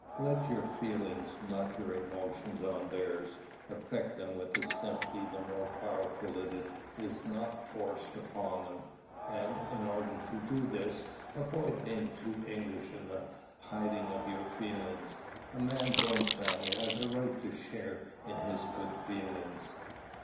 Let your feelings, not your efforts on theirs, affect them with a sympathy the more powerful that it is not forced upon them; and, in order to do this, avoid being too English in the hiding of your feelings. A man's own family has a right to share in his good feelings.